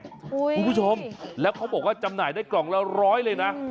คุณผู้ชมแล้วเขาบอกว่าจำหน่ายได้กล่องละร้อยเลยนะ